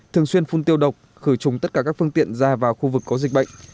thường xuyên phun tiêu độc khử trùng tất cả các phương tiện ra vào khu vực có dịch bệnh